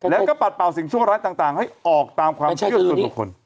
แล้วก็ปัดเป่าสิ่งชั่วร้ายต่างให้ออกตามความเชื่อส่วนบุคคล